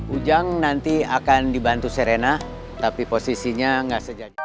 ujang nanti akan dibantu serena tapi posisinya nggak sejajar